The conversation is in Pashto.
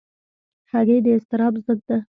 هګۍ د اضطراب ضد ده.